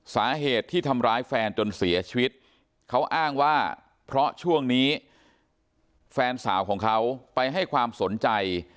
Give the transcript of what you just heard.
สาเหตุที่ทำร้ายแฟนจนเสียชีวิตเขาอ้างว่าเพราะช่วงนี้แฟนสาวของเขาไปให้ความสนใจ